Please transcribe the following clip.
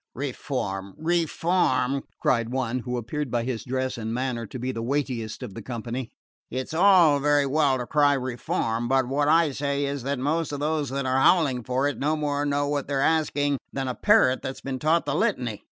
"Reform, reform!" cried one, who appeared by his dress and manner to be the weightiest of the company "it's all very well to cry reform; but what I say is that most of those that are howling for it no more know what they're asking than a parrot that's been taught the litany.